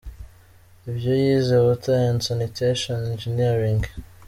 Ibyo yize: Water and Sanitation Engineering.